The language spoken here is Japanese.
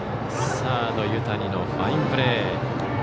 サード由谷のファインプレー。